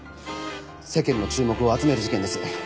世間の注目を集める事件です。